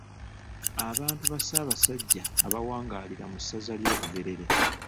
Abantu ba Ssaabasajja abawangaalira mu ssaza ly’e Bugerere.